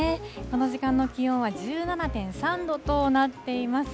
この時間の気温は１７．３度となっています。